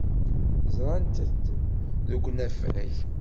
Ẓrant-t deg unafag.